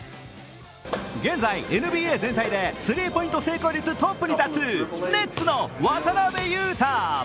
現在、ＮＢＡ全体でスリーポイント成功率トップに立つネッツの渡邊雄太。